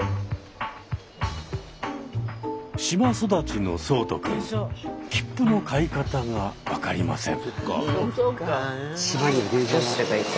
島育ちの聡人くん切符の買い方が分かりません。